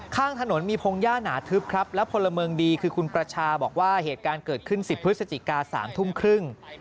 ข้างถนนมีพงหญ้าหนาทึบครับแล้วพลเมืองดีคือคุณประชาบอกว่าเหตุการณ์เกิดขึ้น๑๐พฤศจิกา๓ทุ่มครึ่ง